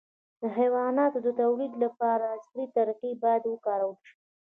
د حیواناتو د تولید لپاره عصري طریقې باید وکارول شي.